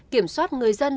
kiểm soát người dân